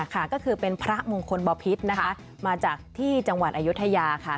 ค่ะก็คือเป็นพระมงคลบพิษนะคะมาจากที่จังหวัดอายุทยาค่ะ